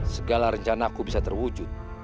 segala rencana aku bisa terwujud